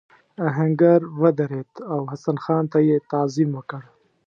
آهنګر ودرېد او حسن خان ته یې تعظیم وکړ.